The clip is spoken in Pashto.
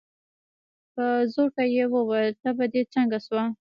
په زوټه يې وويل: تبه دې څنګه شوه؟